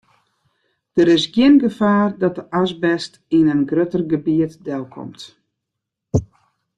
Der is gjin gefaar dat de asbest yn in grutter gebiet delkomt.